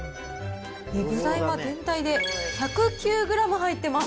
具材は全体で１０９グラム入ってます。